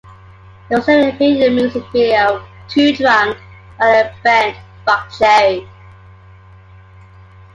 He also appeared in the music video "Too Drunk" by the band Buckcherry.